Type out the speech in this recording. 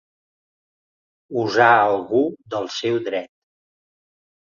Usar algú del seu dret.